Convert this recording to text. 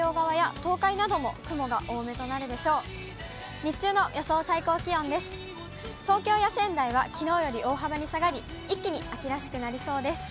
東京や仙台は、きのうより大幅に下がり、一気に秋らしくなりそうです。